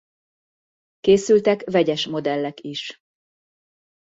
Készültek vegyes modellek is.